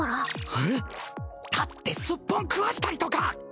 えっ？だってすっぽん食わしたりとか。